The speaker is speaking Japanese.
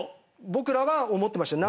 僕らは思ってましたよ。